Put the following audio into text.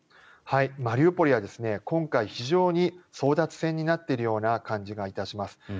マリウポリは今回、非常に争奪戦になっているような感じがいたします。